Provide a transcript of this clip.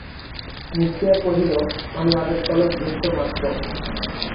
মুক্তিয়ার কহিল, আমি আদেশপালক ভৃত্য মাত্র।